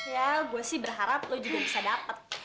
ya gue sih berharap lo juga bisa dapat